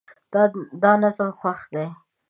دا نظم خوښ دی